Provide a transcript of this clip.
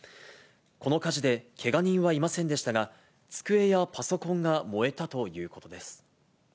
この火事でけが人はいませんでしたが、机やパソコンが燃えたということです。